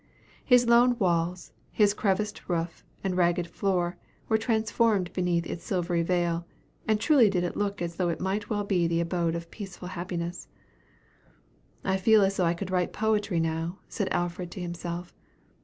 His lone walls, his creviced roof, and ragged floor, were transformed beneath that silvery veil; and truly did it look as though it might well be the abode of peaceful happiness. "I feel as though I could write poetry now," said Alfred to himself.